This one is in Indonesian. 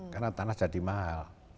karena tanah jadi mahal